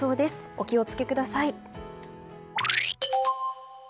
お気をつけください。